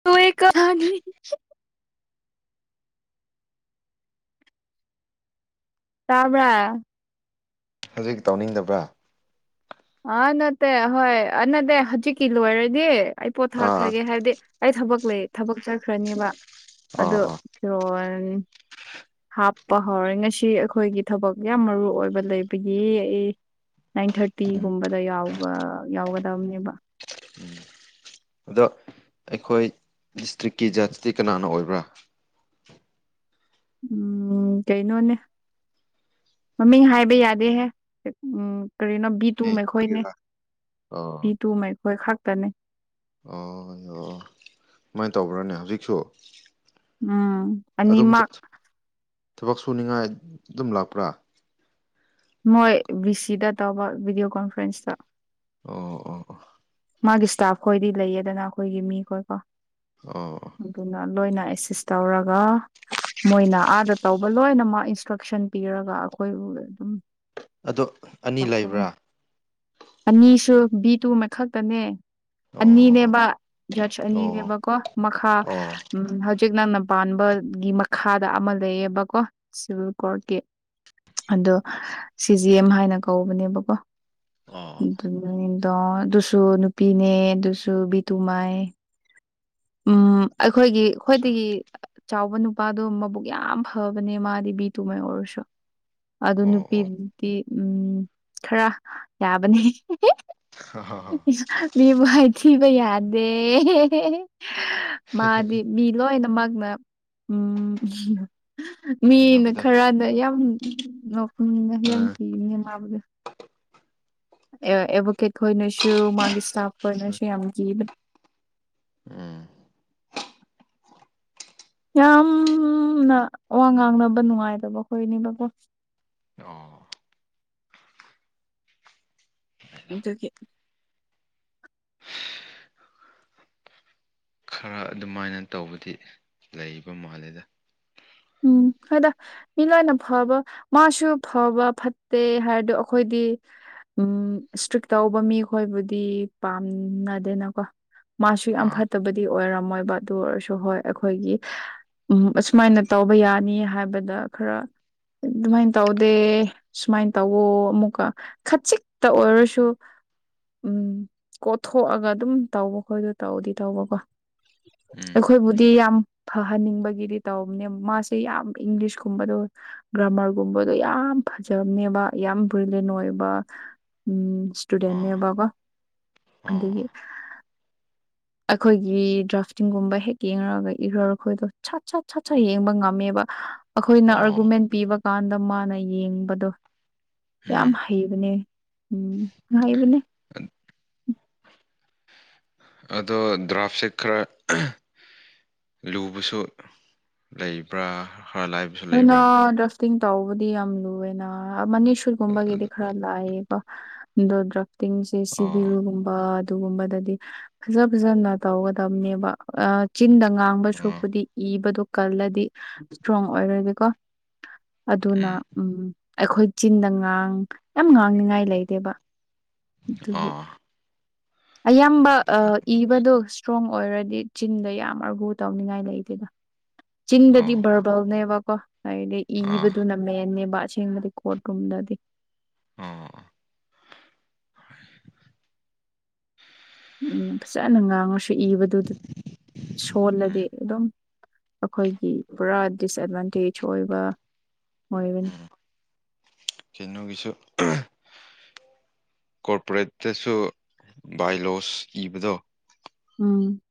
ꯎꯝ ꯀꯍꯅꯤ ꯇꯥꯕ꯭ꯔꯥ ꯍꯧꯖꯤꯛ ꯇꯧꯅꯤꯡꯗꯕ꯭ꯔꯥ ꯑꯥ ꯅꯠꯇꯦ ꯍꯣꯏ ꯅꯠꯇꯦ ꯍꯧꯖꯤꯛꯀꯤ ꯂꯣꯏꯔꯗꯤ ꯑꯩ ꯑꯥ ꯑꯥ ꯄꯣꯊꯥꯈ꯭ꯔꯒꯦ ꯍꯥꯏꯕꯗꯤ ꯑꯩ ꯊꯕꯛ ꯂꯩ ꯊꯕꯛ ꯆꯠꯈ꯭ꯔꯅꯦꯕ ꯑꯗꯨ ꯑꯥ ꯑꯥ ꯐꯤꯔꯣ ꯍꯥꯞꯄ ꯍꯧꯔꯦ ꯉꯁꯤ ꯑꯩꯈꯣꯏꯒꯤ ꯊꯕꯛ ꯌꯥꯝ ꯃꯔꯨ ꯑꯣꯏꯕ ꯂꯩꯕꯒꯤ ꯑꯩ ꯅꯥꯏꯟ ꯎꯝ ꯊꯥꯔꯇꯤꯒꯨꯝꯕꯗ ꯌꯥꯎꯕ ꯌꯥꯎꯒꯗꯕꯅꯦꯕ ꯑꯗꯣ ꯑꯩꯈꯣꯏ ꯗꯤꯁꯇ꯭ꯔꯤꯛꯀꯤ ꯖꯁꯇꯤ ꯀꯅꯥꯅ ꯑꯣꯏꯕ꯭ꯔꯥ ꯎꯝ ꯀꯩꯩꯅꯣꯅꯦ ꯃꯃꯤꯡ ꯍꯥꯏꯕ ꯌꯥꯗꯦꯍꯦ ꯎꯝ ꯀꯔꯤꯅꯣ ꯕꯤ ꯇꯨ ꯃꯈꯈꯣꯏꯅꯦ ꯑꯣ ꯑꯣ ꯚꯤ ꯇꯨ ꯃꯈꯈꯣꯏ ꯈꯛꯇꯅꯦ ꯑꯣ ꯑꯣ ꯁꯨꯃꯥꯏꯅ ꯇꯧꯕ꯭ꯔꯥꯅꯦ ꯍꯧꯖꯤꯛꯁꯨ ꯎꯝ ꯑꯅꯤ ꯑꯗꯨꯝ ꯃꯛ ꯊꯕꯛ ꯁꯨꯅꯤꯡꯉꯥꯏ ꯑꯗꯨꯝ ꯂꯥꯛꯄ꯭ꯔꯥ ꯃꯣꯏ ꯕꯤ ꯁꯤꯗ ꯇꯧꯕ ꯚꯤꯗꯤꯑꯣ ꯀꯣꯟꯐ꯭ꯔꯦꯟꯁꯇ ꯑꯣ ꯑꯣ ꯑꯣ ꯃꯥꯒꯤ ꯏꯁꯇꯥꯐ ꯈꯣꯏꯗꯤ ꯂꯩꯌꯦꯗꯅ ꯑꯩꯈꯣꯏꯒꯤ ꯃꯤꯈꯣꯏꯀꯣ ꯑꯣ ꯑꯗꯨꯅ ꯂꯣꯏꯅ ꯑꯦꯁꯤꯁ ꯇꯧꯔꯒ ꯃꯣꯏꯅ ꯑꯥꯗ ꯇꯧꯕ ꯂꯣꯏꯅꯃꯛ ꯏꯟꯁꯇ꯭ꯔꯛꯁꯟ ꯄꯤꯔꯒ ꯑꯩꯈꯣꯏꯕꯨ ꯑꯗꯨꯝ ꯑꯗꯣ ꯑꯅꯤ ꯇꯥꯛꯄꯒꯨꯝ ꯂꯩꯕ꯭ꯔꯥ ꯑꯅꯤꯁꯨ ꯕꯤ ꯇꯨ ꯃꯈꯛꯇꯅꯦ ꯑꯣ ꯑꯣ ꯑꯅꯤꯅꯦꯕ ꯖꯠꯁ ꯑꯣ ꯑꯅꯤꯅꯦꯕꯀꯣ ꯃꯈꯥ ꯑꯣ ꯎꯝ ꯍꯧꯖꯤꯛ ꯅꯪꯅ ꯄꯥꯟꯕꯒꯤ ꯃꯈꯥꯗ ꯑꯃ ꯂꯩꯌꯦꯕꯀꯣ ꯁꯤꯚꯤꯜ ꯀꯣꯔꯠꯀꯤ ꯑꯗꯣ ꯁꯤ ꯖꯤ ꯑꯦꯝ ꯍꯥꯏꯅ ꯀꯧꯕꯅꯦꯕꯀꯣ ꯑꯣ [unintelligible] ꯗꯨꯁꯨ ꯅꯨꯄꯤꯅꯦ ꯗꯨꯁꯨ ꯕꯤꯇꯨ ꯃꯥꯏ ꯎꯝ ꯑꯩꯈꯣꯏꯒꯤ ꯑꯆꯥ ꯈꯣꯏꯗꯒꯤ ꯆꯥꯎꯕ ꯅꯨꯄꯥꯗꯣ ꯃꯕꯨꯛ ꯌꯥꯝ ꯐꯕꯅꯦ ꯃꯥꯗꯤ ꯕꯤ ꯇꯨꯃꯩ ꯑꯣꯏꯔꯁꯨ ꯑꯗꯨ ꯑꯣ ꯑꯣ ꯅꯨꯄꯤꯗꯤ ꯎꯝ ꯈꯔ ꯌꯥꯕꯅꯤ ꯃꯤꯕꯨ ꯍꯥꯏꯊꯤꯕ ꯌꯥꯗꯦ [unintelligible] ꯃꯥꯗꯤ ꯃꯤ ꯂꯣꯏꯅꯃꯛꯅ ꯎꯝ ꯃꯤꯅ ꯏꯅꯕꯗ ꯈꯔꯗ ꯌꯥꯝ [unintelligible] ꯌꯥꯝ ꯎꯝ ꯀꯤꯔꯤꯅꯤ ꯃꯥꯕꯨ ꯑꯦꯚꯣꯀꯦꯠ ꯈꯣꯏꯅꯁꯨ ꯃꯥꯒꯤ ꯏꯁꯇꯥꯐ ꯈꯣꯏꯅꯁꯨ ꯌꯥꯝ ꯀꯤꯕ ꯎꯝ ꯌꯥꯝꯅ ꯋꯥ ꯉꯥꯡꯅꯕ ꯅꯨꯡꯉꯥꯏꯗꯕ ꯑꯩꯈꯣꯏꯅꯦꯕꯀꯣ ꯑꯣ ꯑꯗꯨꯒꯤ ꯈꯔ ꯑꯗꯨꯃꯥꯏꯅ ꯇꯧꯕꯗꯤ ꯂꯩꯕ ꯃꯥꯜꯂꯦꯗ ꯎꯝ ꯍꯥꯏꯗ ꯃꯤ ꯂꯣꯏꯅ ꯐꯕ ꯃꯥꯁꯨ ꯐꯕ ꯐꯠꯇꯦ ꯍꯥꯏꯔꯗꯨ ꯑꯩꯈꯣꯏꯗꯤ ꯎꯝ ꯏꯁꯇ꯭ꯔꯤꯛ ꯇꯧꯕ ꯃꯤꯈꯣꯏꯕꯨꯗꯤ ꯄꯥꯝꯅꯗꯦꯅꯀꯣ ꯃꯥꯁꯨ ꯌꯥꯝ ꯑꯥ ꯐꯠꯇꯕꯗꯤ ꯑꯣꯏꯔꯝꯃꯣꯏꯕ ꯑꯗꯨ ꯑꯣꯏꯔꯁꯨ ꯍꯣꯏ ꯑꯩꯈꯣꯏꯒꯤ ꯎ ꯑꯁꯨꯃꯥꯏꯅ ꯇꯧꯕ ꯌꯥꯅꯤ ꯍꯥꯏꯕꯗ ꯈꯔ ꯑꯗꯨꯃꯥꯏꯅ ꯇꯧꯗꯦ ꯁꯨꯃꯥꯏ ꯇꯧꯋꯣ ꯑꯃꯨꯛꯀ ꯈꯖꯤꯛꯇ ꯑꯣꯏꯔꯁꯨ ꯎꯝ ꯀꯣꯊꯣꯛꯑꯒ ꯑꯗꯨꯝ ꯇꯧꯕ ꯈꯣꯏꯗꯣ ꯇꯧꯗꯤ ꯇꯧꯕꯀꯣ ꯎꯝ ꯑꯩꯈꯣꯏꯕꯨꯗꯤ ꯌꯥꯝ ꯐꯍꯟꯅꯤꯡꯕꯒꯤꯗꯤ ꯇꯧꯕꯅꯦ ꯃꯥꯁꯦ ꯌꯥꯝ ꯏꯪꯂꯤꯁꯀꯨꯝꯕꯗꯣ ꯒ꯭ꯔꯥꯃꯔꯒꯨꯝꯕꯗꯣ ꯌꯥꯝ ꯐꯖꯕꯅꯦꯕ ꯌꯥꯝ ꯕ꯭ꯔꯤꯂꯤꯟ ꯑꯣꯏꯕ ꯎꯝ ꯑꯥ ꯇꯨꯗꯦꯟꯅꯦꯕꯀꯣ ꯑꯣ ꯑꯗꯒꯤ ꯑꯩꯈꯣꯏꯒꯤ ꯗ꯭ꯔꯥꯐꯇꯤꯡꯒꯨꯝꯕ ꯍꯦꯛ ꯌꯦꯡꯉꯨꯔꯒ ꯏꯔꯥꯈꯣꯏꯗꯣ ꯁꯠ ꯁꯠ ꯁꯠ ꯁꯠ ꯌꯦꯡꯕ ꯉꯝꯃꯦꯕ ꯑꯩꯈꯣꯏꯅ ꯑꯣ ꯑꯥꯔꯒꯨꯃꯦꯟ ꯄꯤꯕ ꯀꯥꯟꯗ ꯃꯥꯅ ꯌꯦꯡꯕꯗꯣ ꯌꯥꯝ ꯎꯝ ꯍꯩꯕꯅꯦ ꯎꯝ ꯍꯩꯕꯅꯦ ꯑꯗꯣ ꯗ꯭ꯔꯥꯐꯁꯦ ꯈꯔ ꯂꯨꯕꯁꯨ ꯂꯩꯕ꯭ꯔꯥ ꯈꯔ ꯂꯥꯏ ꯍꯣꯏꯅ ꯗ꯭ꯔꯐꯇꯤꯡ ꯇꯧꯕꯗꯤ ꯌꯥꯝ ꯂꯨꯑꯦꯅꯅꯤ ꯒꯨꯝꯕꯒꯤꯗꯤ ꯑꯗꯨ ꯈꯔ ꯂꯥꯛꯑꯀꯣ ꯑꯗꯨ ꯗ꯭ꯔꯥꯇꯤꯡꯁꯦ ꯑꯣ ꯁꯤꯚꯜꯒꯨꯝ ꯑꯗꯨꯒꯨꯝꯕꯗꯗꯤ ꯐꯖ ꯐꯖꯅ ꯇꯧꯒꯗꯕꯅꯦꯕ ꯆꯤꯟꯗ ꯉꯥꯡꯕ ꯎꯝ ꯁꯔꯨꯛꯄꯨꯗꯤ ꯏꯕꯗꯣ ꯀꯜꯂꯗꯤ ꯏꯁꯇ꯭ꯔꯣꯡ ꯑꯣꯏꯔꯗꯤꯀꯣ ꯑꯗꯨꯅ ꯎꯝ ꯑꯩꯈꯣꯏ ꯆꯤꯟꯗ ꯉꯥꯡ ꯌꯥꯝ ꯉꯥꯡꯅꯤꯉꯥꯏ ꯂꯩꯗꯦꯕ ꯑꯗꯨꯒꯤ ꯑꯣ ꯑꯌꯥꯝꯕ ꯑꯗꯨ ꯑ ꯏꯕꯗꯣ ꯏꯁꯇ꯭ꯔꯣꯡ ꯑꯣꯏꯔꯗꯤ ꯆꯤꯟꯗ ꯌꯥꯝ ꯑꯥꯔꯒꯨ ꯇꯧꯅꯤꯡꯉꯥꯏ ꯂꯩꯇꯦꯗ ꯑꯣ ꯆꯤꯡꯗꯗꯤ ꯕꯔ ꯑꯣ [unintelligible] ꯍꯥꯏꯗꯤ ꯑꯥ ꯏꯕꯗꯨꯅ ꯃꯦꯟꯅꯦꯕ ꯑꯁꯦꯡꯕꯗꯤ ꯀ꯭ꯔꯣꯠ ꯔꯨꯝꯗꯗꯤ ꯑꯣ ꯎꯝ ꯐꯖꯅ ꯉꯥꯡꯉꯁꯨ ꯏꯕꯗꯨꯗ ꯎꯝ ꯁꯣꯜꯂꯗꯤ ꯑꯗꯨꯝ ꯑꯩꯈꯣꯏꯒꯤ ꯄꯨꯔꯥ ꯗꯤꯁꯑꯦꯠꯚꯥꯟꯇꯦꯖ ꯑꯣꯏꯕ ꯑꯣꯏꯒꯅꯤ ꯎꯝ ꯀꯩꯅꯣꯒꯤꯁꯨ ꯀꯣꯔꯄꯣꯔꯦꯠꯇꯁꯨ ꯕꯥꯏ ꯂꯣꯁ ꯏꯕꯗꯣ ꯎꯝ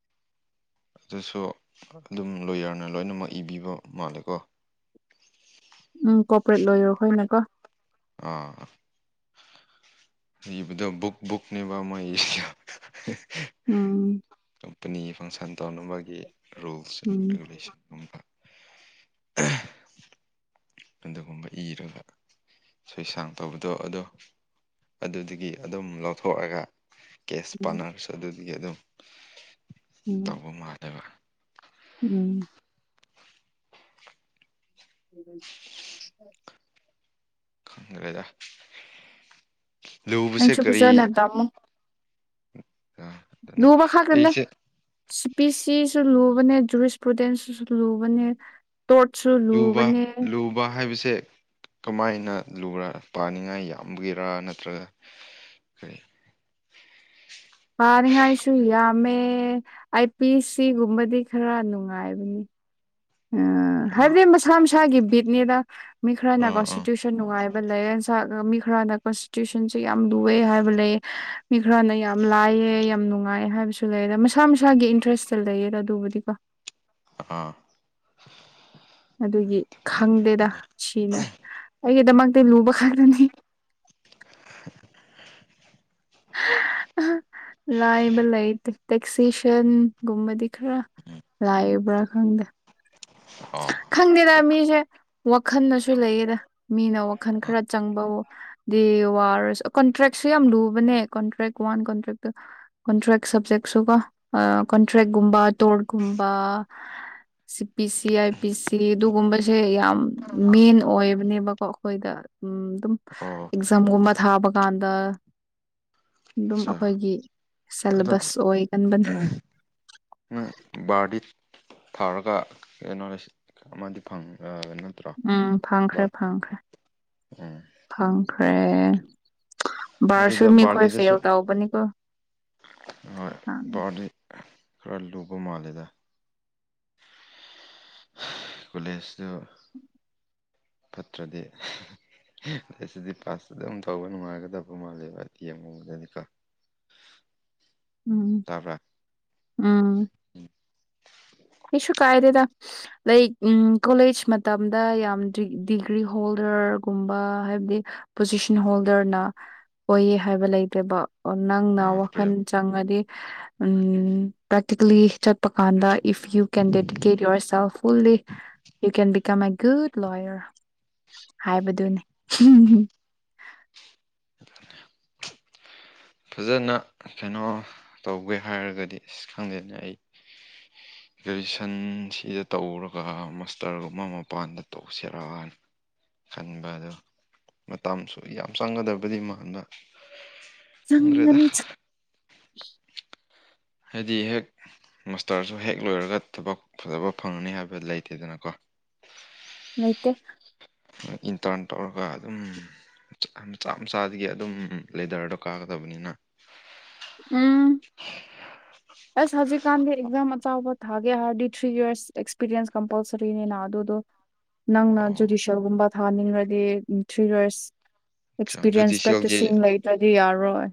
ꯑꯗꯨꯁꯨ ꯑꯗꯨꯝ ꯂꯣꯌꯣꯌꯔꯅ ꯂꯣꯏꯅꯃꯛ ꯏꯕꯤꯕ ꯃꯥꯜꯂꯦꯀꯣ ꯎꯝ ꯀꯣꯄꯔꯦꯠ ꯂꯣꯏꯔꯣ ꯈꯣꯏꯅ ꯀꯣ ꯑꯥ ꯏꯕꯗꯣ ꯕꯨꯛ ꯕꯨꯛꯅꯦꯕ ꯃꯣꯏ [unintelligible] ꯎꯝ ꯀꯝꯄꯅꯤ ꯐꯪꯁꯟ ꯇꯧꯅꯕꯒꯤ ꯔꯨꯜꯁ ꯎꯝ ꯑꯦꯟ [unintelligible] ꯑꯗꯨꯒꯨꯝꯕ ꯏꯔꯒ ꯁꯣꯏ ꯁꯥꯡ ꯇꯧꯕꯗꯣ ꯑꯗꯣ ꯑꯗꯨꯗꯒꯤ ꯑꯗꯨꯝ ꯂꯧꯊꯣꯛꯑꯒ ꯀꯦꯁ ꯄꯥꯔꯠꯅꯔꯁ ꯑꯗꯨꯗꯤ ꯑꯗꯨꯝ ꯎꯝ ꯇꯧꯕ ꯃꯥꯜꯂꯦꯕ ꯎꯝ [unintelligible] ꯈꯪꯈ꯭ꯔꯦꯗ ꯂꯨꯕꯁꯦ ꯅꯪꯁꯨ ꯀꯔꯤ ꯐꯖꯅ ꯇꯝꯃꯣ ꯑꯗꯨꯅꯦ ꯂꯨꯕ ꯈꯛꯀꯅꯦ ꯑꯩꯁꯦ ꯁꯤꯄꯤ ꯁꯤꯁꯨ ꯂꯨꯕꯅꯦ ꯖꯨꯏꯁ ꯄ꯭ꯔꯣꯗꯦꯟꯁꯤꯁꯨ ꯂꯨꯕꯅꯦ ꯇꯣꯠꯁꯨ ꯂꯨꯕ ꯂꯨꯕꯅꯦ ꯂꯨꯕ ꯍꯥꯏꯕꯁꯦ ꯀꯃꯥꯏꯅ ꯂꯨꯔ ꯄꯥꯅꯤꯡꯉꯥꯏ ꯌꯥꯝꯕꯒꯤꯔꯥ ꯅꯠꯇ꯭ꯔꯒ ꯀꯔꯤ ꯄꯥꯅꯤꯡꯉꯥꯏꯁꯨ ꯌꯥꯝꯃꯦ ꯑꯥꯏ ꯄꯤ ꯁꯤ ꯒꯨꯝꯕꯗꯤ ꯈꯔ ꯅꯨꯡꯉꯥꯏꯕꯅꯤ ꯑꯥ ꯍꯥꯏꯕꯗꯤ ꯃꯁꯥ ꯃꯁꯥꯒꯤ ꯕꯤꯠꯅꯦꯗ ꯃꯤ ꯈꯔꯅ ꯀꯣ ꯑꯥ ꯑꯥ ꯁꯇꯤꯇ꯭ꯌꯨꯁꯟ ꯅꯨꯡꯉꯥꯏꯕ ꯂꯩ ꯃꯤ ꯈꯔꯅ [unintelligible] ꯌꯥꯝ ꯂꯨꯑꯦ ꯍꯥꯏꯕ ꯂꯩ ꯃꯤ ꯈꯔꯅ ꯌꯥꯝ ꯂꯥꯏꯑ ꯌꯥꯝ ꯅꯨꯡꯉꯥꯏꯑ ꯍꯥꯏꯕꯁꯨ ꯂꯩꯗ ꯃꯁꯥ ꯃꯁꯥꯒꯤ ꯏꯟꯇꯔꯦꯁꯇ ꯂꯩꯌꯦꯗ ꯑꯗꯨꯕꯨꯗꯤ ꯀꯣ ꯑꯥ ꯑꯗꯨꯒꯤ ꯈꯪꯗꯦꯗ ꯁꯤꯅ ꯑꯩꯒꯤꯗꯃꯛꯇꯤ ꯂꯨꯕ ꯈꯛꯇꯅꯤ ꯂꯥꯏꯕ ꯂꯩꯇꯦ ꯇꯦꯛꯁꯤꯁꯟꯒꯨꯝꯕꯗꯤ ꯈꯔ ꯎꯝ ꯂꯥꯏ ꯕ꯭ꯔꯥ ꯈꯪꯗꯦ ꯑꯣ ꯈꯪꯗꯦꯗ ꯃꯤꯁꯦ ꯋꯥꯈꯜꯅꯁꯨ ꯂꯩꯌꯦꯗ ꯃꯤꯅ ꯋꯥꯈꯜ ꯑꯥ ꯈꯔ ꯆꯪꯕꯕꯨ ꯗꯤ ꯋꯥꯔꯁꯨ ꯀꯣꯟꯇ꯭ꯔꯦꯛꯁꯨ ꯌꯥꯝ ꯂꯨꯕꯅꯦ ꯀꯣꯟꯇ꯭ꯔꯦꯛ ꯋꯥꯟ ꯀꯣꯟꯇ꯭ꯔꯦꯛꯇꯨ ꯀꯣꯟꯇ꯭ꯔꯦꯛ ꯁꯕꯖꯦꯛꯁꯨ ꯀꯣ ꯑ ꯀꯣꯟꯇ꯭ꯔꯦꯛꯒꯨꯝꯕ ꯇꯣꯔꯒꯨꯝꯕ ꯁꯤ ꯄꯤ ꯁꯤ ꯑꯥꯏ ꯄꯤ ꯁꯤ ꯑꯗꯨꯒꯨꯝꯕꯁꯦ ꯌꯥꯝ ꯃꯦꯟ ꯑꯣꯏꯕꯅꯦꯕꯀꯣ ꯑꯈꯣꯏꯗ ꯎꯝ ꯑꯗꯨꯝ ꯑꯣ ꯑꯦꯛꯖꯝꯒꯨꯝꯃ ꯊꯥꯕ ꯀꯥꯟꯗ ꯗꯨꯝ ꯑꯠꯆꯥ ꯑꯈꯣꯏꯒꯤ ꯑꯗꯣ ꯁꯦꯂꯦꯕꯁ ꯑꯣꯏ ꯒꯟꯕꯅꯦ ꯅꯪ ꯕꯥꯔꯗꯤ ꯊꯥꯔꯒ ꯀꯩꯅꯣ ꯔꯦꯁꯤꯠ ꯑꯃꯗꯤ ꯐꯪꯑ ꯅꯤ ꯎꯝ ꯐꯪꯈ꯭ꯔꯦ ꯐꯪꯈ꯭ꯔꯦ ꯎꯝ ꯐꯪꯈ꯭ꯔꯦ ꯕꯥꯔꯁꯨ ꯑꯗꯨꯗ ꯃꯤꯈꯣꯏ ꯐꯦꯜ ꯕꯥꯔꯒꯤꯗꯁꯨ ꯇꯧꯕꯅꯤꯀꯣ ꯍꯣꯏ ꯕꯥꯔꯗꯤ ꯈꯔ ꯂꯨꯕ ꯃꯥꯜꯂꯦꯗ ꯀꯣꯂꯦꯖꯇꯨ ꯐꯠꯇ꯭ꯔꯗꯤ ꯑꯁꯤꯗꯤ ꯄꯥꯁꯇ ꯑꯗꯨꯝ ꯇꯧꯕ ꯅꯨꯡꯉꯥꯏꯒꯗꯕ ꯃꯥꯜꯂꯦꯕ ꯌꯦꯡꯉꯕꯗꯗꯤꯀꯣ ꯎꯝ ꯇꯥꯕ꯭ꯔꯥ ꯎꯝ ꯏꯁꯨꯨ ꯀꯥꯏꯗꯦꯗ ꯂꯥꯏꯛ ꯎꯝ ꯀꯣꯂꯦꯖ ꯃꯇꯝꯗ ꯌꯥꯝ ꯗꯤ ꯗꯤꯒ꯭ꯔꯤ ꯍꯣꯜꯗꯔꯒꯨꯝꯕ ꯍꯥꯏꯕꯗꯤ ꯄꯣꯖꯤꯁꯟ ꯍꯣꯜꯗꯔꯅ ꯑꯣꯏꯌꯦ ꯍꯥꯏꯕ ꯂꯩꯇꯦꯕ ꯅꯪꯅ ꯑꯥ ꯀꯩ ꯋꯥꯈꯜ ꯆꯪꯉꯗꯤ ꯎꯝ ꯄ꯭ꯔꯦꯛꯇꯤꯀꯦꯜꯂꯤ ꯆꯠꯄ ꯀꯥꯟꯗ if you can dedicate yourself fully you can become a good lawyer ꯍꯥꯏꯕꯗꯨꯅꯤ [unintelligible] ꯐꯖꯅ ꯀꯩꯅꯣ ꯇꯧꯒꯦ ꯍꯥꯏꯔꯒꯗꯤ ꯑꯁ ꯈꯪꯗꯦꯗ ꯑꯩ [unintelligible] ꯒ꯭ꯔꯦꯖꯨꯌꯦꯁꯟ ꯁꯤ ꯇꯧꯔꯒ ꯃꯁꯇꯔꯒꯨꯝꯕ ꯃꯄꯥꯟꯗ ꯇꯧꯁꯤꯔꯥꯅ ꯈꯟꯕ ꯑꯗꯣ ꯃꯇꯝꯁꯨ ꯌꯥꯝ ꯆꯪꯒꯗꯕꯗꯤ ꯃꯥꯟꯕ꯫ ꯈꯪꯗ꯭ꯔꯦꯗ꯫ ꯆꯪꯒꯅꯤ ꯍꯥꯏꯗꯤ ꯍꯦꯛ꯫ ꯃꯁꯇꯔꯖꯨ ꯍꯦꯛ ꯂꯣꯏꯔꯒ ꯊꯕꯛ ꯐꯖꯕ ꯐꯪꯉꯅꯤ ꯍꯥꯏꯕ ꯂꯩꯇꯦꯗꯅꯀꯣ꯫ ꯂꯩꯇꯦ꯫ ꯏꯟꯇꯔꯥꯟ ꯇꯧꯔꯒ ꯑꯗꯨꯝ ꯍꯨꯖꯤꯀꯥꯟ ꯃꯆꯥ ꯃꯆꯥꯗꯒꯤ ꯑꯗꯨꯝ ꯂꯦꯗꯔꯗꯣ ꯀꯥꯒꯗꯕꯅꯤꯅ꯫ ꯎꯝ꯫ ꯀꯥꯟꯗꯦ ꯑꯦꯛꯁꯥꯝ ꯑꯆꯥꯥꯎꯕ ꯊꯥꯒꯦ ꯍꯥꯔꯗꯤ ꯊ꯭ꯔꯤ ꯏꯔꯁ ꯑꯦꯛꯁꯄꯤꯔꯤꯌꯦꯟꯁ ꯀꯝꯄꯜꯁꯔꯤꯅꯤꯅ ꯑꯗꯨꯗꯣ꯫ ꯅꯪꯅ ꯑꯣ ꯖꯨꯗꯤꯁꯦꯜꯒꯨꯝꯕ ꯊꯥꯅꯤꯡꯉꯗꯤ ꯊ꯭ꯔꯤ ꯌꯔꯁ꯫ ꯑꯆꯥ ꯑꯦꯛꯁꯄꯤꯔꯤꯌꯦꯟꯁ ꯖꯨꯗꯤꯁꯤꯌꯦꯜꯒꯤ ꯄ꯭ꯔꯦꯛꯇꯤꯁꯤꯡ ꯂꯩꯇ꯭ꯔꯗꯤ ꯌꯥꯔꯣꯏ꯫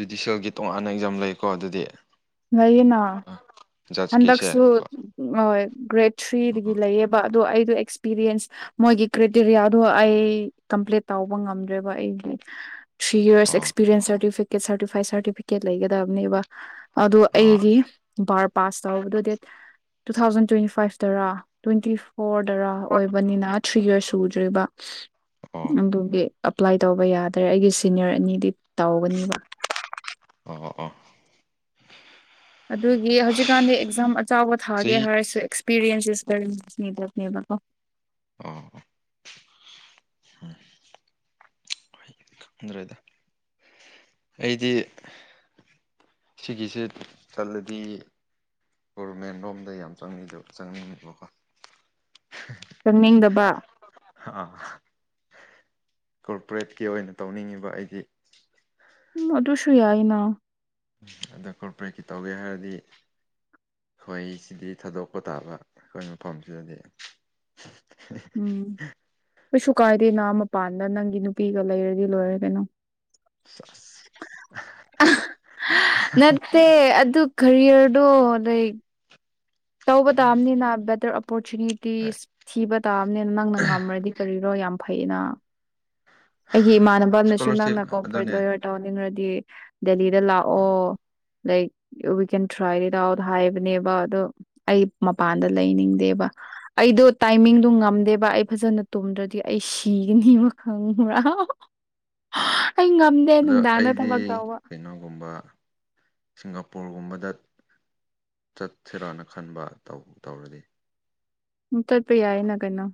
ꯖꯨꯗꯤꯁꯦꯜꯒꯤ ꯇꯣꯉꯥꯟꯅ ꯑꯦꯛꯖꯥꯝ ꯂꯩꯀꯣ ꯑꯗꯨꯗꯤ꯫ ꯂꯩꯌꯦꯅ ꯖꯁꯀꯤꯁꯦ ꯍꯟꯗꯛꯁꯨ꯫ ꯍꯣꯏ ꯒ꯭ꯔꯦꯗ ꯊ꯭ꯔꯤꯒꯤꯗꯤ ꯑꯣ ꯂꯩꯑꯦꯕ ꯑꯗꯣ ꯑꯩꯗꯣ ꯑꯦꯛꯁ ꯑꯦꯛꯁꯄꯤꯔꯤꯌꯦꯟꯁ ꯃꯣꯏꯒꯤ ꯀ꯭ꯦꯇꯦꯔꯤꯌꯥꯗꯣ ꯑꯩ ꯀꯝꯄ꯭ꯂꯤꯠ ꯇꯧꯕ ꯉꯝꯗ꯭ꯔꯦꯕ ꯑꯩꯗꯤ ꯊ꯭ꯔꯤ ꯌꯔꯁ ꯑꯣ ꯑꯦꯁꯄꯤꯔꯔꯤꯟꯁ ꯁꯔꯇꯤꯐꯤꯀꯦꯠ ꯁꯥꯔꯇꯐꯥꯏꯠ ꯁꯥꯔꯇꯤꯐꯤꯀꯦꯠ ꯂꯩꯒꯗꯕꯅꯦꯕ꯫ ꯑꯗꯣ ꯑꯩꯒꯤ ꯕꯥꯔ ꯄꯥꯁ ꯇꯧꯕꯗꯣ ꯗꯦꯠ ꯇꯨ ꯊꯥꯎꯖꯟ ꯇ꯭ꯋꯦꯟꯇꯤ ꯐꯥꯏꯚꯇꯔꯥ ꯇ꯭ꯋꯦꯟꯇꯤ ꯐꯣꯔꯗꯔꯥ ꯑꯣꯏꯕꯅꯤꯅ ꯊ꯭ꯔꯤ ꯌꯔꯁ ꯁꯨꯗ꯭ꯔꯤꯕ꯫ ꯑꯣ ꯑꯗꯨꯒꯤ ꯑꯦꯄ꯭ꯂꯥꯏ ꯇꯧꯕ ꯌꯥꯗ꯭ꯔꯦ ꯑꯩꯒꯤ ꯁꯤꯅꯤꯌꯔ ꯑꯅꯤꯗꯤ ꯇꯧꯒꯅꯤꯕ꯫ ꯑꯣ ꯑꯣ ꯑꯣ꯫ ꯑꯗꯨꯒꯤ ꯍꯧꯖꯤꯛꯀꯥꯟꯗꯤ ꯑꯦꯛꯖꯥꯝ ꯑꯆꯥꯎꯕ ꯊꯥꯒꯦ ꯆꯍꯤ ꯍꯥꯏꯔꯁꯨ experience is very needed ꯅꯤꯕꯀꯣ꯫ ꯑꯣ ꯗ꯭ꯔꯦꯗ ꯑꯩꯗꯤ꯫ ꯁꯤꯒꯤꯁꯦ ꯆꯜꯂꯗꯤ꯫ ꯒꯣꯕꯔꯃꯦꯟ ꯔꯣꯝꯗ ꯌꯥꯝ ꯆꯪꯉꯗ ꯆꯪꯅꯤꯡꯅꯦꯕꯀꯣ ꯆꯪꯅꯤꯡꯗꯕ ꯑ ꯀꯣꯔꯄꯣꯔꯦꯠꯀꯤ ꯑꯣꯏꯅ ꯇꯧꯅꯤꯡꯉꯤꯕ ꯑꯩꯗꯤ ꯎꯝ ꯑꯗꯨꯁꯨ ꯌꯥꯏꯅ ꯑꯗ ꯀꯣꯔꯣꯄꯔꯦꯠꯀꯤ ꯇꯧꯒꯦ ꯍꯥꯏꯔꯗꯤ ꯑꯩꯈꯣꯏ ꯁꯤꯗꯤ ꯊꯥꯗꯣꯛꯄ ꯇꯥꯕ ꯑꯩꯈꯣꯏ ꯃꯐꯝꯁꯤꯗꯗꯤ ꯎꯝ ꯀꯩꯁꯨ ꯀꯥꯏꯗꯦꯅꯥ ꯃꯄꯥꯟꯗ ꯅꯪꯒꯤ ꯅꯨꯄꯤꯒ ꯂꯩꯔꯗꯤ ꯂꯣꯏꯔ ꯀꯩꯅꯣ ꯏꯁ ꯅꯠꯇꯦ ꯑꯗꯨ ꯀꯔꯤꯌꯔꯗꯣ ꯂꯥꯏꯛ ꯇꯧꯕ ꯎꯝ ꯇꯥꯕꯅꯤꯅ ꯕꯦꯇꯔ ꯍꯣꯏ ꯑꯣꯄꯣꯔꯆꯨꯅꯤꯇꯤꯁ ꯊꯤꯕ ꯇꯥꯕꯅꯤꯅ ꯅꯪꯅ ꯉꯝꯔꯗꯤ ꯀꯔꯤꯔꯣ ꯌꯥꯝ ꯐꯩꯌꯦꯅ ꯑꯩꯒꯤ ꯏꯃꯥꯟꯅꯕꯅꯁꯨ ꯏꯁꯀꯣꯂꯥꯔꯁꯤꯞ ꯅꯪꯅ ꯀꯣꯔꯄꯣꯔꯦꯠ ꯑꯗꯨꯅꯦ ꯂꯣꯏ ꯇꯧꯅꯤꯡꯔꯗꯤ ꯗꯦꯂꯤꯗ ꯑ ꯂꯥꯛꯑꯣ like we can ꯊ꯭ꯔꯥꯏꯠ it out ꯍꯥꯏꯕꯅꯦꯕ ꯑꯗꯣ ꯑꯩ ꯃꯄꯥꯟꯗ ꯂꯩꯅꯤꯡꯗꯦꯕ ꯑꯩꯗꯣ ꯇꯥꯏꯃꯤꯡꯗꯣ ꯉꯝꯗꯦꯕ ꯑꯩ ꯐꯖꯅ ꯇꯨꯝꯗ꯭ꯔꯗꯤ ꯑꯩ ꯁꯤꯒꯅꯤꯕ ꯈꯪ [inaudible] ꯑꯩꯉ ꯑꯗꯣ ꯑꯩꯗꯤ ꯀꯩꯅꯣꯒꯨꯝꯕ ꯁꯤꯡꯒꯥꯄꯨꯔꯒꯨꯝꯕꯗ ꯆꯠꯁꯤꯔꯥꯅ ꯈꯟꯕ ꯇꯧ ꯇꯧꯔꯗꯤ ꯎꯝ ꯆꯠꯄ ꯌꯥꯏꯌꯦꯅ ꯀꯩꯅꯣ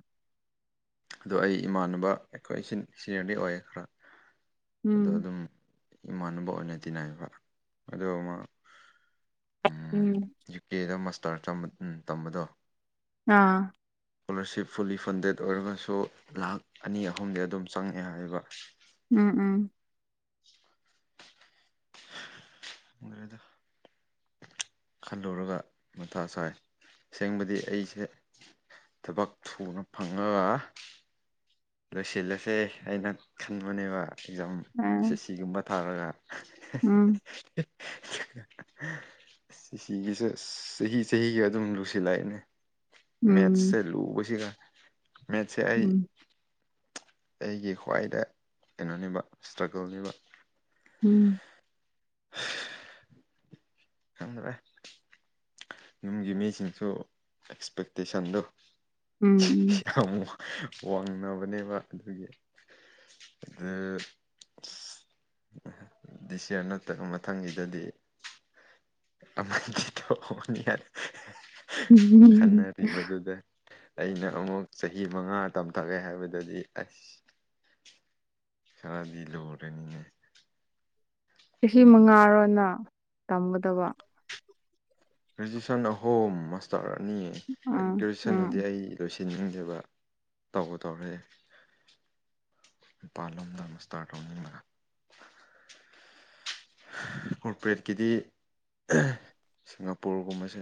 ꯑꯗꯣ ꯑꯩ ꯏꯃꯥꯟꯅꯕ ꯑꯩꯈꯣꯏ ꯁꯤꯟ ꯁꯤꯅꯤꯌꯔꯗꯤ ꯑꯣꯏ ꯈꯔ ꯎꯝ ꯑꯗꯣ ꯑꯗꯨꯝ ꯏꯃꯥꯟꯅꯕ ꯑꯣꯏꯅ ꯇꯤꯟꯅꯩꯕ ꯑꯗꯨ ꯑꯃ ꯎꯝ ꯌꯨ ꯀꯦ ꯗ ꯃꯥꯁꯇꯔ ꯇꯝ ꯎꯝ ꯇꯝꯕꯗꯣ ꯑꯥ ꯏꯁꯀꯣꯂꯥꯔꯁꯤꯞ ꯐꯨꯜꯂꯤ ꯐꯟꯗꯦꯠ ꯑꯣꯏꯔꯒꯁꯨ ꯂꯥꯛ ꯑꯅꯤ ꯑꯍꯨꯝꯗꯤ ꯑꯗꯨꯝ ꯆꯪꯉꯑꯦ ꯍꯥꯏꯕ ꯎꯝ ꯎꯝ [inaudible] ꯗ ꯈꯜꯂꯨꯔꯒ ꯃꯊꯥ ꯁꯥꯏ ꯑꯁꯦꯡꯕꯗꯤ ꯑꯩꯁꯦ ꯊꯕꯛ ꯊꯨꯅ ꯐꯪꯉꯒ ꯂꯣꯏꯁꯤꯜꯂꯁꯦ ꯑꯩꯅ ꯈꯟꯕꯅꯦꯕ ꯑꯦꯛꯖꯥꯝ ꯑꯥ ꯁꯤꯒꯨꯝꯕ ꯊꯥꯔꯒ ꯎꯝ ꯁꯤ ꯁꯤꯒꯤꯁꯦ ꯑꯁ ꯆꯍꯤ ꯆꯍꯤꯒꯤ ꯑꯗꯨꯝ ꯂꯨꯁꯤꯜꯂꯛꯑꯦꯅꯦ ꯃꯦꯠꯁꯁꯦ ꯎꯝ ꯂꯨꯕꯁꯤꯒ ꯃꯦꯠꯁꯦ ꯑꯩ ꯎꯝ ꯑꯩꯒꯤ ꯈ꯭ꯋꯥꯏꯗ ꯀꯩꯅꯣꯅꯤꯕ ꯏꯁꯇ꯭ꯔꯒꯜꯅꯤꯕ ꯎꯝ ꯈꯪꯗ꯭ꯔꯦ ꯌꯨꯝꯒꯤ ꯃꯤꯁꯤꯡꯁꯨ ꯑꯦꯛꯁꯄꯦꯛꯇꯦꯁꯟꯗꯣ ꯎꯝ ꯌꯥꯝ ꯋꯥ ꯋꯥꯡꯅꯕꯅꯦꯕ ꯑꯗꯨꯒꯤ ꯑꯗꯨ ꯗꯤꯁꯌꯥꯔ ꯅꯠꯇꯕ ꯃꯊꯪꯒꯤꯗꯗꯤ [unintelligible] ꯎꯝ ꯎꯝ ꯎꯝ ꯈꯟꯅꯔꯤ ꯃꯗꯨꯗ ꯑꯩꯅ ꯑꯃꯨꯛ ꯆꯍꯤ ꯃꯉꯥ ꯇꯝꯊꯒꯦ ꯍꯥꯏꯕꯗꯗꯤ ꯑꯁ ꯈꯔꯗꯤ ꯂꯨꯔꯅꯤꯅꯦ ꯆꯍꯤ ꯃꯉꯥꯔꯣꯅ ꯇꯝꯒꯗꯕ ꯒ꯭ꯔꯦꯖꯨꯑꯌꯦꯁꯟ ꯑꯍꯣꯝ ꯃꯥꯁꯇꯔ ꯑꯅꯤ ꯎꯝ ꯒ꯭ꯔꯦꯖꯨꯑꯦꯁꯟꯗꯤ ꯎꯝ ꯑꯩ ꯂꯣꯏꯁꯤꯟꯅꯤꯡꯗꯦꯕ ꯇꯧꯕ ꯇꯧꯔꯦ ꯃꯄꯥꯥꯟꯂꯣꯝꯗ ꯃꯁꯇꯥꯔ ꯇꯧꯅꯤꯡꯂꯒ ꯀꯣꯔꯄꯔꯦꯠꯀꯤꯗꯤ ꯑ ꯁꯤꯡꯒꯥꯄꯨꯔꯒꯨꯝꯕꯁꯦ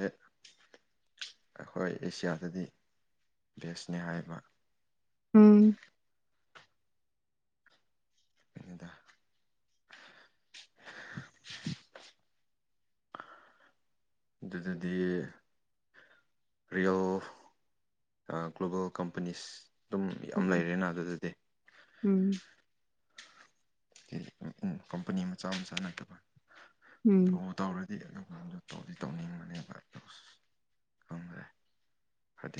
ꯑꯩꯈꯣꯏ ꯑꯦꯁꯤꯌꯥꯗꯗꯤ ꯕꯦꯁꯅꯤ ꯍꯥꯏꯕ ꯎꯝ ꯑꯗ ꯑꯗꯨꯗꯤꯗꯤ ꯭ꯔꯤꯌꯣ ꯒ꯭ꯂꯣꯕꯣ ꯀꯝꯄꯅꯤꯁ ꯑꯗꯨꯝ ꯌꯥꯝ ꯎꯝ ꯂꯩꯔꯦꯅ ꯑꯗꯨꯗꯗꯤ ꯎꯝ ꯀꯝꯄꯅꯤ ꯃꯆꯥ ꯃꯆꯥ ꯅꯠꯇꯕ ꯇ ꯎꯝ ꯇꯧꯔ ꯑꯗꯨꯗ ꯇꯧꯗꯤ ꯇꯧꯅꯤꯡꯕꯅꯦꯕ ꯈꯪꯗ꯭ꯔꯦ ꯍꯥꯏꯗꯤ